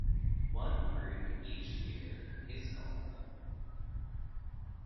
One brood each year is normal.